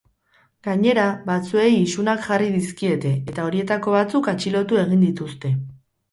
Gainera, batzuei isunak jarri dizkiete eta horietako batzuk atxilotu egin dituzte.